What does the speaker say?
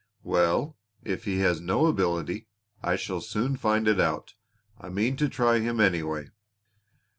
"Well, if he has no ability I shall soon find it out. I mean to try him, anyway."